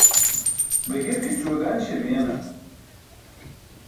Be girkićue gan śebiyena?